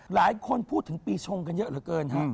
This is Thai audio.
หลายคนพูดถึงปีชงกันเยอะเหลือเกินฮะ